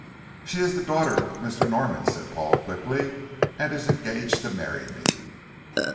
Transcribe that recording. "She is the daughter of Mr. Norman," said Paul, quickly, "and is engaged to marry me."